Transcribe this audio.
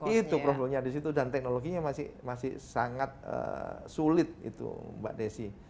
itu problemnya di situ dan teknologinya masih sangat sulit itu mbak desi